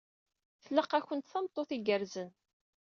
Tlaq-akent tameṭṭut igerrzen.